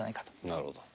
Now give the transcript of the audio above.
なるほど。